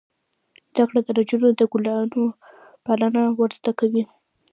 زده کړه نجونو ته د ګلانو پالنه ور زده کوي.